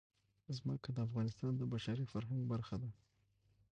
ځمکه د افغانستان د بشري فرهنګ برخه ده.